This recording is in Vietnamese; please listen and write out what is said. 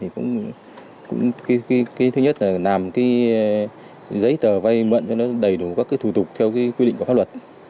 cái thứ nhất là làm cái giấy tờ vay mượn cho nó đầy đủ các cái thủ tục theo cái quy định của pháp luật